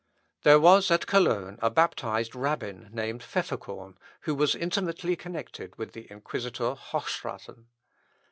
There was at Cologne a baptized Rabbin, named Pfefferkorn, who was intimately connected with the inquisitor Hochstraten.